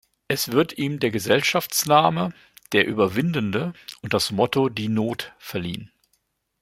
Es wird ihm der Gesellschaftsname "der Überwindende" und das Motto "die Not" verliehen.